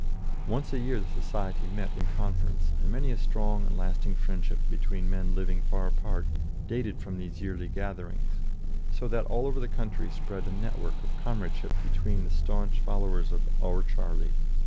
Once a year the society met in conference, and many a strong and lasting friendship between men living far apart dated from these yearly gatherings, so that all over the country spread a net work of comradeship between the staunch followers of "our Charlie."